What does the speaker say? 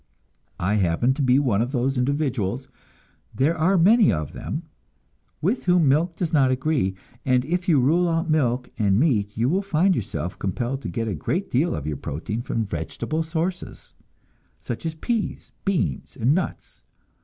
I happen to be one of those individuals there are many of them with whom milk does not agree; and if you rule out milk and meat, you find yourself compelled to get a great deal of your protein from vegetable sources, such as peas, beans and nuts.